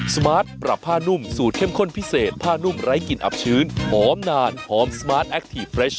สมาร์ทปรับผ้านุ่มสูตรเข้มข้นพิเศษผ้านุ่มไร้กลิ่นอับชื้นหอมนานหอมสมาร์ทแอคทีฟเฟรช